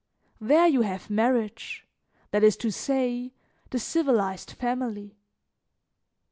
There you have marriage that is to say, the civilized family.